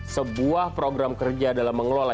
sebuah program kerja dalam mengelola